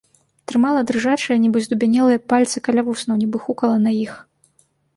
Трымала дрыжачыя, нібы здубянелыя пальцы каля вуснаў, нібы хукала на іх.